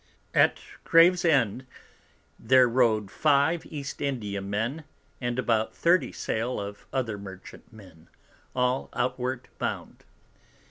At Gravesend there rode five East India Men, and about 30 Sail of other Merchant men, all outward bound.